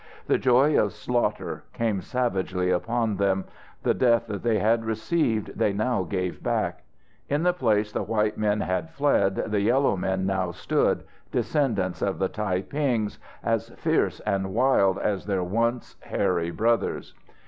The joy of slaughter came savagely upon them. The death that they had received they now gave back. In the place the white men had fled, the yellow men now stood, descendants of the Tai pings, as fierce and wild as their once Hairy brothers.